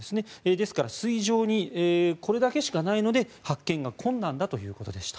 ですから水上にこれだけしかないので発見が困難だということでした。